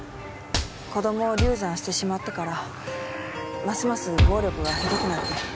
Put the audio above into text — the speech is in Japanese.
子供を流産してしまってからますます暴力がひどくなって。